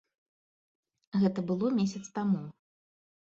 Гэта было месяц таму.